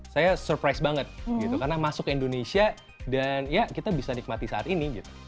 saya surprise banget gitu karena masuk ke indonesia dan ya kita bisa nikmati saat ini gitu